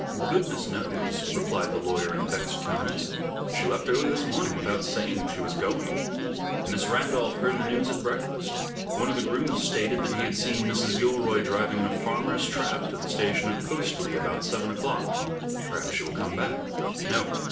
"Goodness knows," replied the lawyer in vexed tones. "She left early this morning without saying she was going. Miss Randolph heard the news at breakfast. One of the grooms stated that he had seen Mrs. Gilroy driving in a farmer's trap to the station at Postleigh, about seven o'clock." "Perhaps she will come back." "No!